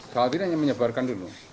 saat ini hanya menyebarkan dulu